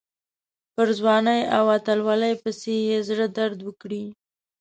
پر ځوانۍ او اتلولۍ پسې یې زړه درد وکړي.